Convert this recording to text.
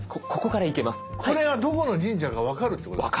これがどこの神社か分かるってことですか？